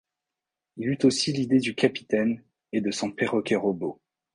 Il eut aussi l'idée du Capitaine et de son perroquet robot.